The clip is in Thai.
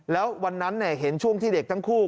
แล้ววันนั้นเห็นช่วงที่เด็กทั้งคู่